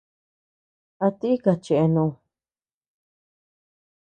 ¿A tika cheanud?